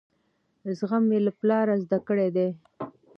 زغم مې له پلاره زده کړی دی.